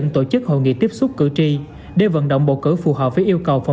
theo kết luận chỉ đạo